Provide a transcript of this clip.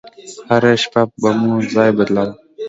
هره شپه به مو ځاى بدلاوه.